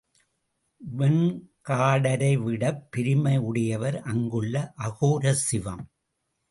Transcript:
வெண்காடரைவிடப் பெருமை உடையவர் அங்குள்ள அகோரசிவம்.